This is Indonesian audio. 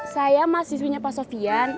saya mahasiswunya pak sofian